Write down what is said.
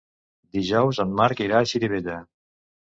Dijous en Marc irà a Xirivella.